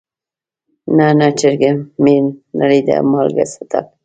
نه نه چرګ مې نه ليده مالګه څټل.